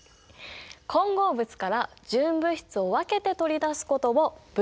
混合物から純物質を分けて取り出すことを分離っていうんだよ。